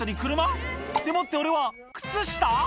「でもって俺は靴下？」